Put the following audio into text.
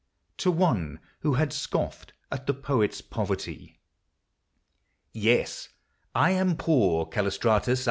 TO OXE WHO HAD SCOFFED AT THE POET'S POVERTY. Yes, — I am poor, Callistratus